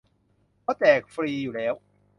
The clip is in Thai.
เพราะแจกฟรีอยู่แล้ว